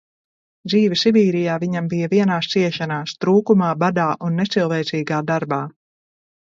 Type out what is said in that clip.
Dzīve Sibīrijā viņam bija vienās ciešanās trūkumā, badā un necilvēcīgā darbā.